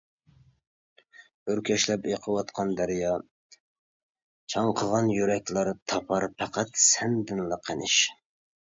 ئۆركەشلەپ ئېقىۋاتقان دەريا چاڭقىغان يۈرەكلەر تاپار پەقەت سەندىنلا قېنىش.